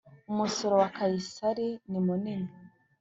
Umusoro wa Kayisari nimunini.